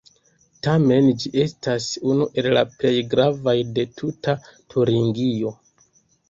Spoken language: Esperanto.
Tamen ĝi estas unu el la plej gravaj de tuta Turingio.